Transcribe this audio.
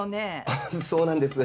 あっそうなんです。